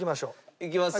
いきますよ。